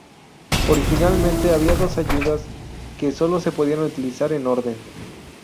Originalmente había dos ayudas, que sólo se podía utilizar en orden.